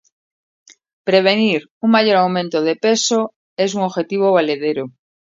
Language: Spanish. prevenir un mayor aumento de peso es un objetivo valedero